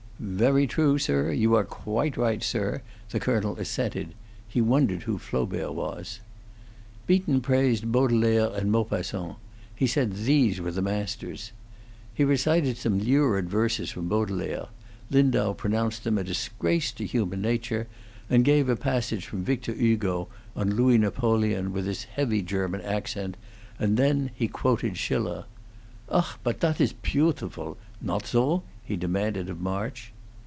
"Very true, sir; you are quite right, sir," the colonel assented; he wondered who Flaubert was. Beaton praised Baudelaire and Maupassant; he said these were the masters. He recited some lurid verses from Baudelaire; Lindau pronounced them a disgrace to human nature, and gave a passage from Victor Hugo on Louis Napoleon, with his heavy German accent, and then he quoted Schiller. "Ach, boat that is a peaudifool! Not zo?" he demanded of March.